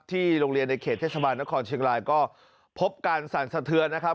โรงเรียนในเขตเทศบาลนครเชียงรายก็พบการสั่นสะเทือนนะครับ